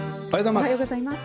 おはようございます。